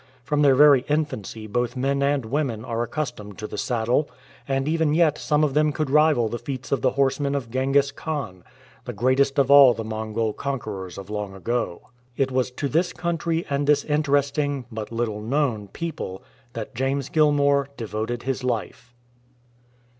From their very infancy both men and women are accustomed to the saddle, and even yet some of them could rival the feats of the horsemen of Ghengis Khan, the greatest of all the Mongol conquerors of long ago. It was to this country and this interesting, but little known, people that James Gilmour devoted his life.